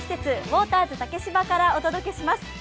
ウォーター竹芝からお伝えします。